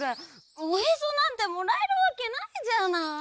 おへそなんてもらえるわけないじゃない！